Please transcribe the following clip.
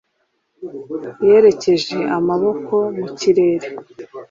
Yerekeje amaboko mu kirere